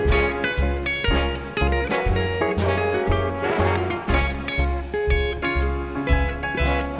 สวัสดีครับสวัสดีครับ